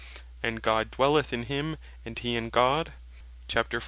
"and God dwelleth in him, and he in God," (1 Joh.